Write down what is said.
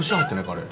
あれ。